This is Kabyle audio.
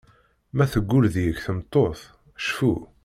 Ma teggul deg-k tmeṭṭut, cfu.